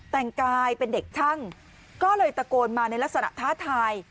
แต่งกายเป็นเด็กช่างก็เลยตะโกนมาในลักษณะท้าทาย